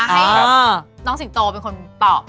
ให้น้องสิงโตเป็นคนตอบ